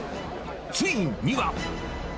ついには。